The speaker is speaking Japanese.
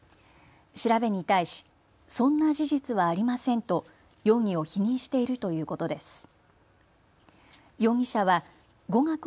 調べに対しそんな事実はありませんと容疑を否認しているということです。